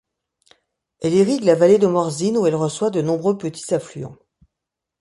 Elle irrigue la vallée de Morzine, où elle reçoit de nombreux petits affluents.